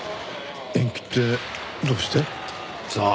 延期ってどうして？さあ？